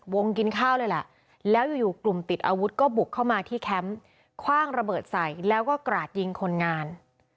กินข้าวเลยแหละแล้วอยู่กลุ่มติดอาวุธก็บุกเข้ามาที่แคมป์คว่างระเบิดใส่แล้วก็กราดยิงคนงาน